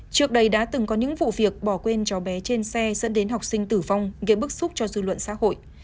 trước đây đã từng có những vụ việc bỏ quên cháu bé trên xe dẫn đến học sinh tử vong gây bức xúc cho dư luận xã hội